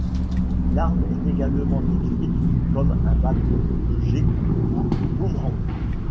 L'arme est également décrite comme un bâton de jet ou boomerang.